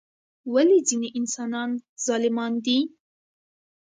ولی ځینی انسانان ظالمان دي؟